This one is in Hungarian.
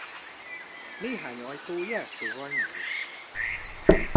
Néhány ajtó jelszóval nyílik.